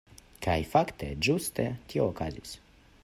Kaj fakte ĝuste tio okazis.